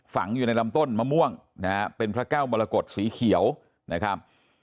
ฝังอยู่ในลำต้นมะม่วงนะฮะเป็นพระแก้วมรกฏสีเขียวนะครับ